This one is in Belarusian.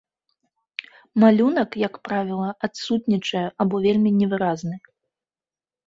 Малюнак, як правіла, адсутнічае або вельмі невыразных.